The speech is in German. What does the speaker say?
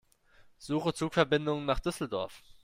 Suche Zugverbindungen nach Düsseldorf.